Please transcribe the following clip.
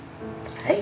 はい。